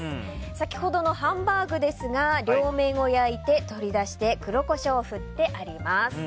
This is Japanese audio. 先ほどのハンバーグですが両面を焼いて取り出して黒コショウを振ってあります。